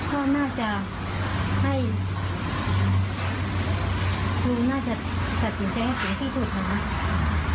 คุณน่าจะสัดสินใจให้สินที่สุดนะครับ